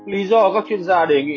lý do các chuyên gia đề nghị